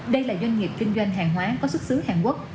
đây là doanh nghiệp kinh doanh hàng hóa có xuất xứ hàn quốc